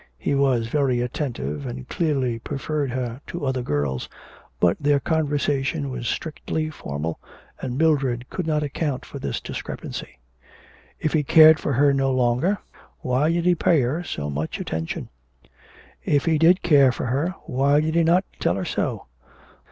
He was very attentive, and clearly preferred her to other girls, but their conversation was strictly formal, and Mildred could not account for this discrepancy. If he cared for her no longer, why did he pay her so much attention. If he did care for her, why did he not tell her so.